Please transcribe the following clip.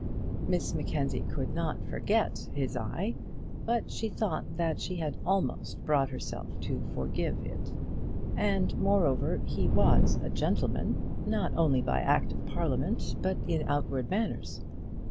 Miss Mackenzie could not forget his eye, but she thought that she had almost brought herself to forgive it. And, moreover, he was a gentleman, not only by Act of Parliament, but in outward manners.